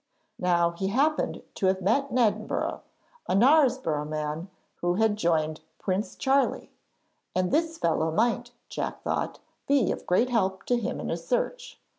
Now he happened to have met in Edinburgh a Knaresborough man who had joined Prince Charlie, and this fellow might, Jack thought, be of great help to him in his search.